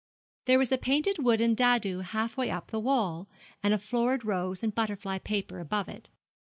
There was a painted wooden dado halfway up the wall, and a florid rose and butterfly paper above it.